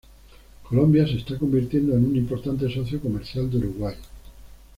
Colombia se está convirtiendo en un importante socio comercial de Uruguay.